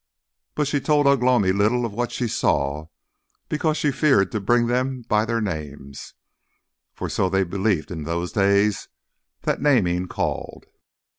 But she told Ugh lomi little of what she saw, because she feared to bring them by their names. For so they believed in those days, that naming called.